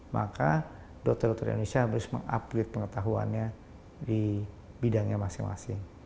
maka dokter dokter indonesia harus mengupgrade pengetahuannya di bidangnya masing masing